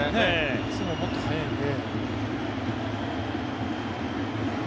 いつももっと速いので。